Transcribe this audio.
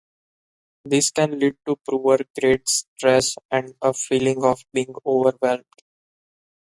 This can lead to poor grades, stress, and a feeling of being overwhelmed.